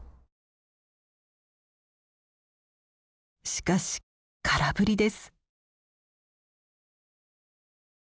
しかし空振りです。